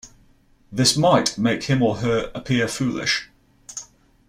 This might make him or her appear foolish.